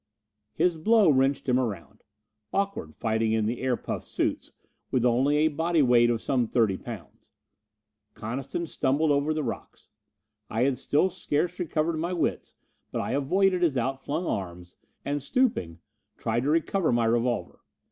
His blow wrenched him around. Awkward, fighting in the air puffed suits, with only a body weight of some thirty pounds! Coniston stumbled over the rocks. I had still scarce recovered my wits, but I avoided his outflung arms, and, stooping, tried to recover my revolver.